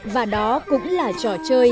và đó cũng là trò chơi